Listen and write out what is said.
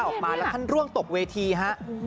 กำลังกล้าออกมาและท่านร่วงตกเวทีฮะ